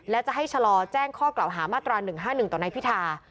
และจะให้ชะลอแจ้งข้อกล่าวหามาตรา๑๕๑ต่อนายพิธา